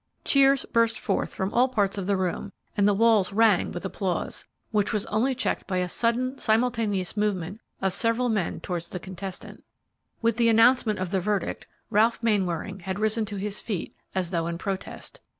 Cheers burst forth from all parts of the room, and the walls rang with applause, which was only checked by a sudden, simultaneous movement of several men towards the contestant. With the announcement of the verdict, Ralph Mainwaring had risen to his feet, as though in protest.